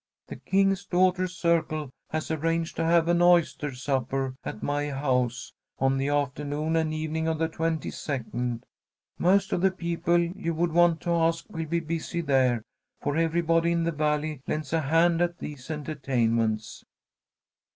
The King's Daughters' Circle has arranged to have an oyster supper at my house on the afternoon and evening of the twenty second. Most of the people you would want to ask will be busy there, for everybody in the Valley lends a hand at these entertainments."